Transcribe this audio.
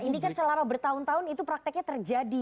ini kan selama bertahun tahun itu prakteknya terjadi